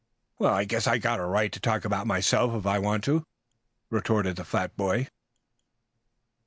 "I guess I've got a right to talk about myself if I want to," retorted the fat boy.